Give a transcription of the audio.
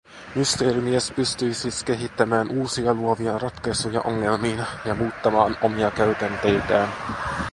Mysteerimies pystyi siis kehittämään uusia luovia ratkaisuja ongelmiin ja muuttamaan omia käytänteitään.